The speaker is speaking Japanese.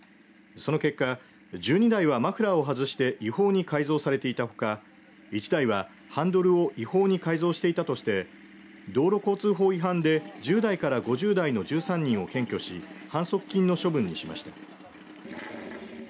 その結果、１２台はマフラーを外して違法に改造されていたほか１台はハンドルを違法に改造していたとして道路交通法違反で１０代から５０代の１３人を検挙し反則金の処分にしました。